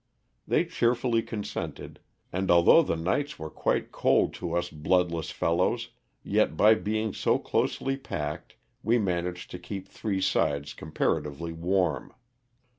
They cheerfully consented, and although the nights were quite cold to us bloodless fellows, yet by being so closely packed we managed to keep three sides com paratively warm.